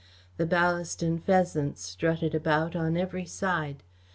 The Ballaston pheasants strutted about on every side.